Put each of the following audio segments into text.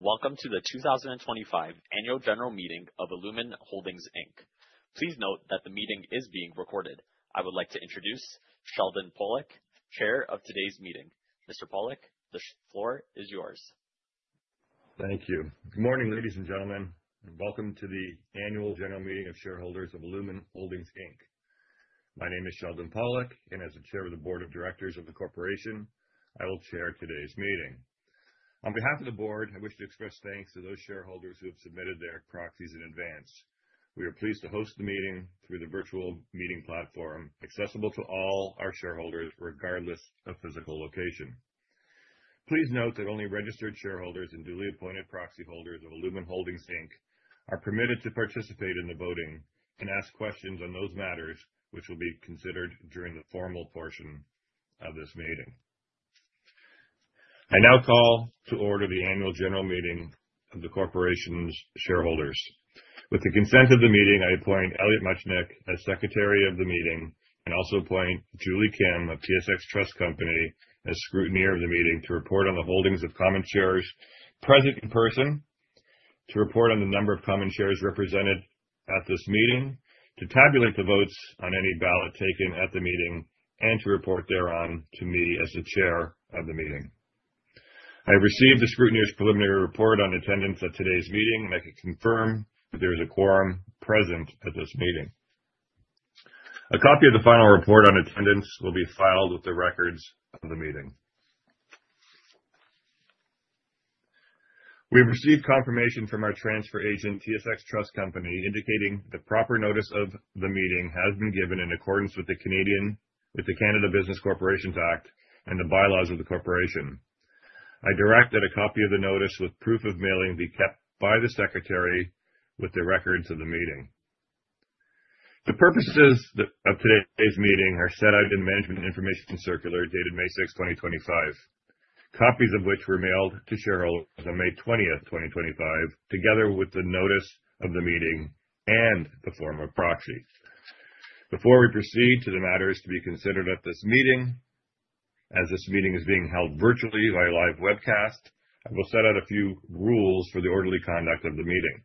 Welcome to the 2025 Annual General Meeting of illumin Holdings Inc Please note that the meeting is being recorded. I would like to introduce Sheldon Pollack, Chair of today's meeting. Mr. Pollack, the floor is yours. Thank you. Good morning, ladies and gentlemen, and welcome to the Annual General Meeting of Shareholders of illumin Holdings Inc My name is Sheldon Pollack, and as the Chair of the Board of Directors of the Corporation, I will chair today's meeting. On behalf of the board, I wish to express thanks to those shareholders who have submitted their proxies in advance. We are pleased to host the meeting through the virtual meeting platform accessible to all our shareholders, regardless of physical location. Please note that only registered shareholders and duly appointed proxy holders of illumin Holdings Inc are permitted to participate in the voting and ask questions on those matters, which will be considered during the formal portion of this meeting. I now call to order the Annual General Meeting of the Corporation's shareholders. With the consent of the meeting, I appoint Elliot Muchnick as Secretary of the Meeting and also appoint Julie Kim of TSX Trust Company as Scrutineer of the Meeting to report on the holdings of common shares present in person, to report on the number of common shares represented at this meeting, to tabulate the votes on any ballot taken at the meeting, and to report thereon to me as the Chair of the Meeting. I have received the Scrutineer's preliminary report on attendance at today's meeting, and I can confirm that there is a quorum present at this meeting. A copy of the final report on attendance will be filed with the records of the meeting. We've received confirmation from our transfer agent, TSX Trust Company, indicating that proper notice of the meeting has been given in accordance with the Canadian Business Corporations Act and the bylaws of the Corporation. I direct that a copy of the notice with proof of mailing be kept by the Secretary with the records of the meeting. The purposes of today's meeting are set out in the Management Information Circular dated May 6, 2025, copies of which were mailed to shareholders on May 20, 2025, together with the notice of the meeting and the form of proxy. Before we proceed to the matters to be considered at this meeting, as this meeting is being held virtually via live webcast, I will set out a few rules for the orderly conduct of the meeting.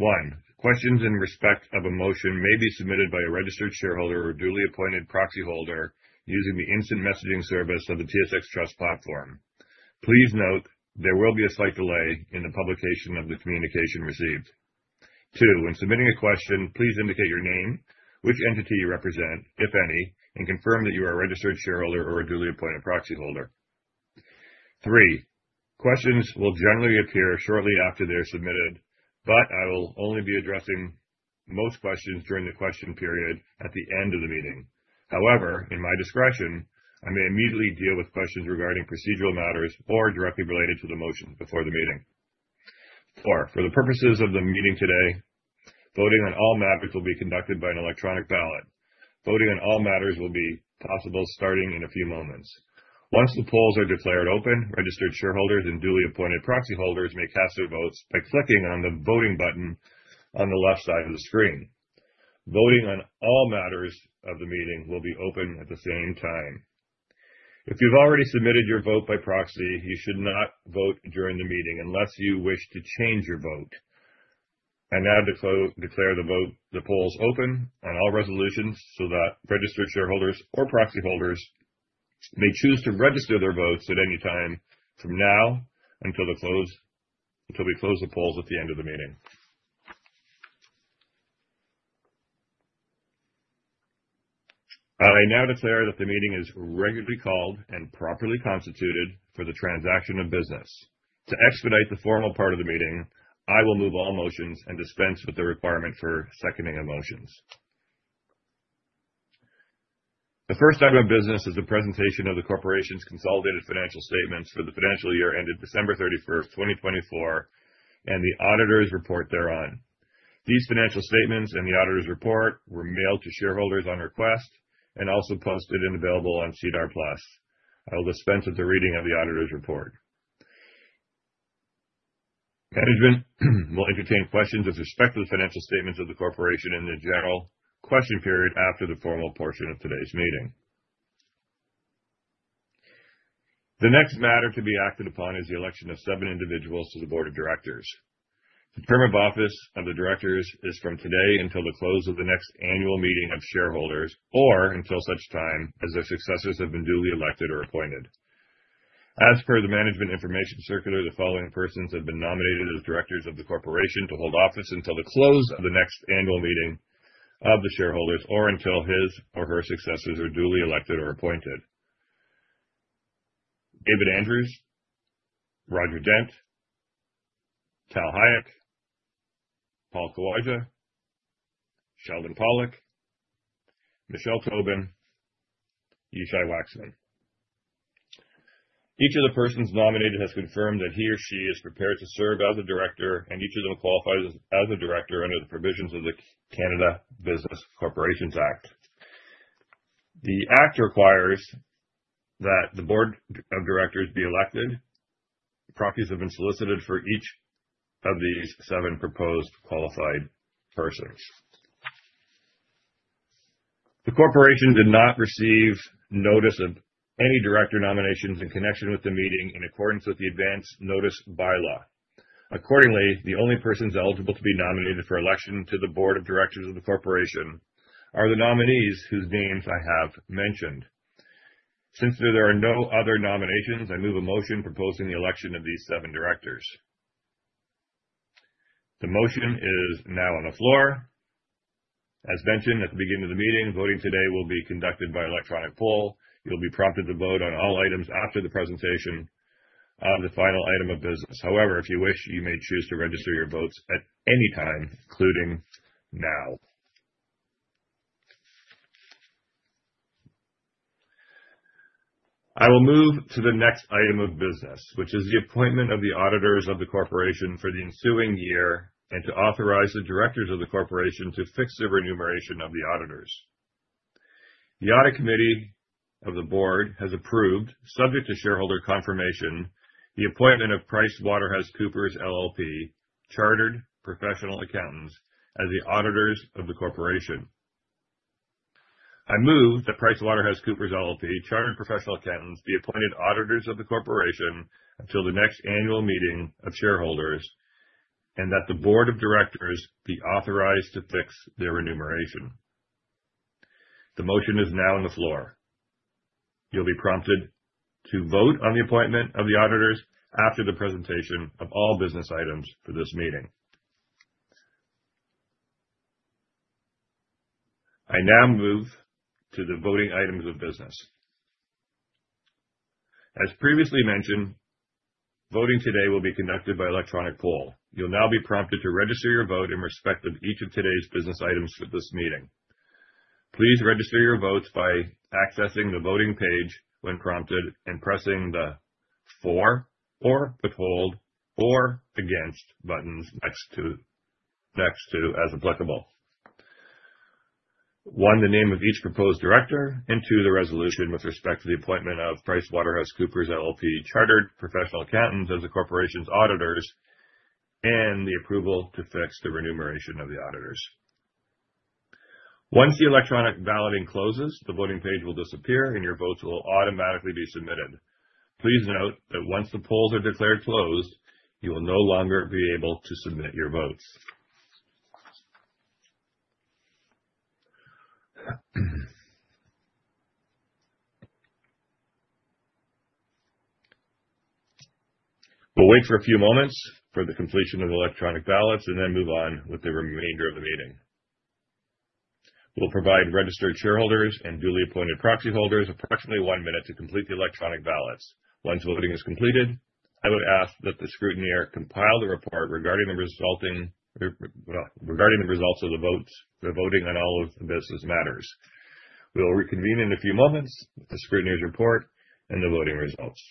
One, questions in respect of a motion may be submitted by a registered shareholder or duly appointed proxy holder using the instant messaging service of the TSX Trust platform. Please note there will be a slight delay in the publication of the communication received. Two, when submitting a question, please indicate your name, which entity you represent, if any, and confirm that you are a registered shareholder or a duly appointed proxy holder. Three, questions will generally appear shortly after they're submitted, but I will only be addressing most questions during the question period at the end of the meeting. However, in my discretion, I may immediately deal with questions regarding procedural matters or directly related to the motion before the meeting. Four, for the purposes of the meeting today, voting on all matters will be conducted by an electronic ballot. Voting on all matters will be possible starting in a few moments. Once the polls are declared open, registered shareholders and duly appointed proxy holders may cast their votes by clicking on the voting button on the left side of the screen. Voting on all matters of the meeting will be open at the same time. If you've already submitted your vote by proxy, you should not vote during the meeting unless you wish to change your vote. I now declare the polls open on all resolutions so that registered shareholders or proxy holders may choose to register their votes at any time from now until we close the polls at the end of the meeting. I now declare that the meeting is regularly called and properly constituted for the transaction of business. To expedite the formal part of the meeting, I will move all motions and dispense with the requirement for seconding of motions. The first item of business is the presentation of the Corporation's consolidated financial statements for the financial year ended December 31, 2024, and the auditor's report thereon. These financial statements and the auditor's report were mailed to shareholders on request and also posted and available on Cedar Plus. I will dispense with the reading of the auditor's report. Management will entertain questions with respect to the financial statements of the Corporation in the general question period after the formal portion of today's meeting. The next matter to be acted upon is the election of seven individuals to the Board of Directors. The term of office of the directors is from today until the close of the next annual meeting of shareholders or until such time as their successors have been duly elected or appointed. As per the Management Information Circular, the following persons have been nominated as directors of the Corporation to hold office until the close of the next annual meeting of the shareholders or until his or her successors are duly elected or appointed: David Andrews, Roger Dent, Tal Hayek, Paul Kowalcza, Sheldon Pollack, Michelle Tobin, Yishai Waxman. Each of the persons nominated has confirmed that he or she is prepared to serve as a director, and each of them qualifies as a director under the provisions of the Canadian Business Corporations Act. The Act requires that the Board of Directors be elected. Proxies have been solicited for each of these seven proposed qualified persons. The Corporation did not receive notice of any director nominations in connection with the meeting in accordance with the Advance Notice bylaw. Accordingly, the only persons eligible to be nominated for election to the Board of Directors of the Corporation are the nominees whose names I have mentioned. Since there are no other nominations, I move a motion proposing the election of these seven directors. The motion is now on the floor. As mentioned at the beginning of the meeting, voting today will be conducted by electronic poll. You'll be prompted to vote on all items after the presentation of the final item of business. However, if you wish, you may choose to register your votes at any time, including now. I will move to the next item of business, which is the appointment of the auditors of the Corporation for the ensuing year and to authorize the directors of the Corporation to fix the remuneration of the auditors. The Audit Committee of the Board has approved, subject to shareholder confirmation, the appointment of PricewaterhouseCoopers LLP Chartered Professional Accountants as the auditors of the Corporation. I move that PricewaterhouseCoopers LLP Chartered Professional Accountants be appointed auditors of the Corporation until the next annual meeting of shareholders and that the Board of Directors be authorized to fix their remuneration. The motion is now on the floor. You'll be prompted to vote on the appointment of the auditors after the presentation of all business items for this meeting. I now move to the voting items of business. As previously mentioned, voting today will be conducted by electronic poll. You'll now be prompted to register your vote in respect of each of today's business items for this meeting. Please register your votes by accessing the voting page when prompted and pressing the for, or withhold, or against buttons next to, as applicable, one, the name of each proposed director, and two, the resolution with respect to the appointment of PricewaterhouseCoopers LLP Chartered Professional Accountants as the Corporation's auditors and the approval to fix the remuneration of the auditors. Once the electronic balloting closes, the voting page will disappear and your votes will automatically be submitted. Please note that once the polls are declared closed, you will no longer be able to submit your votes. We'll wait for a few moments for the completion of the electronic ballots and then move on with the remainder of the meeting. We'll provide registered shareholders and duly appointed proxy holders approximately one minute to complete the electronic ballots. Once voting is completed, I would ask that the Scrutineer compile the report regarding the results of the votes for voting on all business matters. We'll reconvene in a few moments with the Scrutineer's report and the voting results.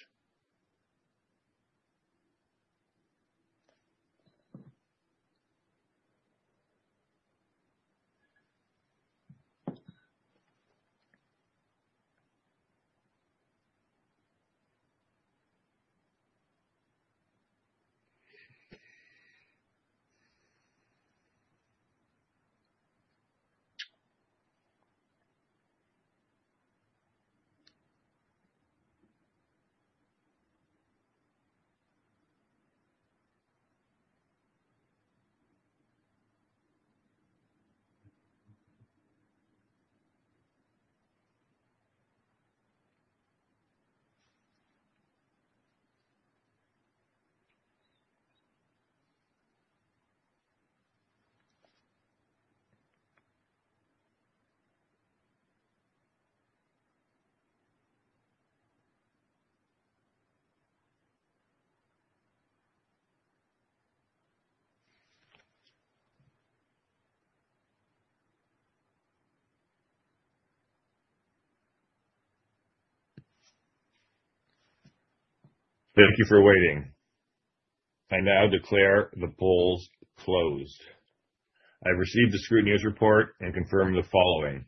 Thank you for waiting. I now declare the polls closed. I've received the Scrutineer's report and confirmed the following.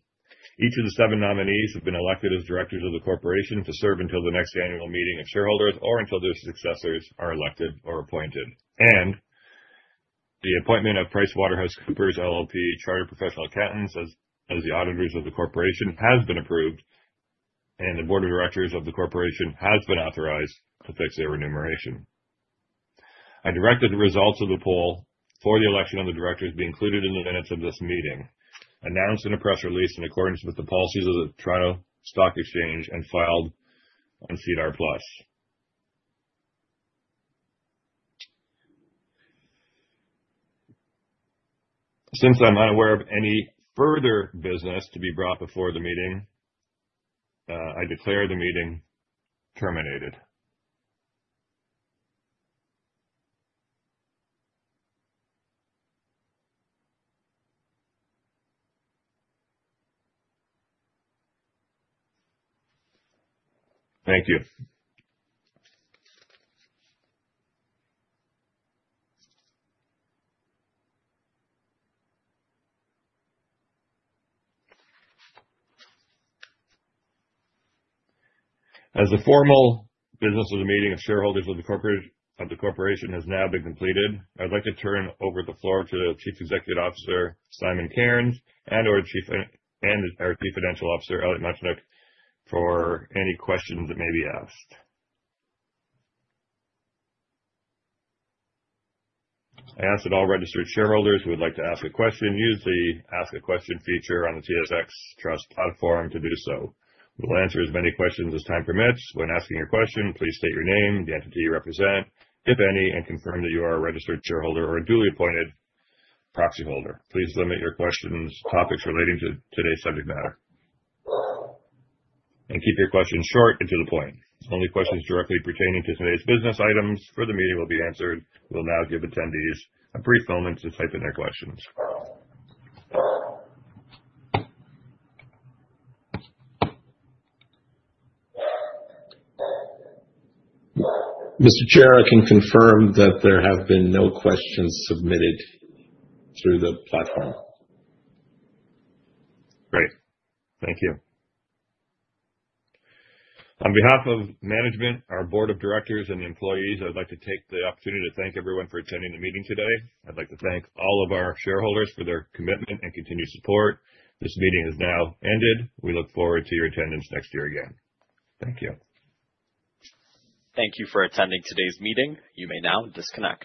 Each of the seven nominees have been elected as directors of the Corporation to serve until the next annual meeting of shareholders or until their successors are elected or appointed. The appointment of PricewaterhouseCoopers LLP Chartered Professional Accountants as the auditors of the Corporation has been approved, and the Board of Directors of the Corporation has been authorized to fix their remuneration. I directed the results of the poll for the election of the directors to be included in the minutes of this meeting, announced in a press release in accordance with the policies of the Toronto Stock Exchange, and filed on Cedar Plus. Since I'm unaware of any further business to be brought before the meeting, I declare the meeting terminated. Thank you. As the formal business of the meeting of shareholders of the Corporation has now been completed, I'd like to turn over the floor to Chief Executive Officer Simon Cairns and our Chief Financial Officer Elliot Muchnick for any questions that may be asked. I ask that all registered shareholders who would like to ask a question use the Ask a Question feature on the TSX Trust platform to do so. We'll answer as many questions as time permits. When asking your question, please state your name, the entity you represent, if any, and confirm that you are a registered shareholder or a duly appointed proxy holder. Please limit your questions to topics relating to today's subject matter, and keep your questions short and to the point. Only questions directly pertaining to today's business items for the meeting will be answered. We'll now give attendees a brief moment to type in their questions. Mr. Chair, I can confirm that there have been no questions submitted through the platform. Great. Thank you. On behalf of management, our Board of Directors, and the employees, I'd like to take the opportunity to thank everyone for attending the meeting today. I'd like to thank all of our shareholders for their commitment and continued support. This meeting has now ended. We look forward to your attendance next year again. Thank you. Thank you for attending today's meeting. You may now disconnect.